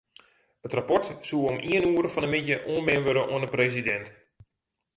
It rapport soe om ien oere fan 'e middei oanbean wurde oan de presidint.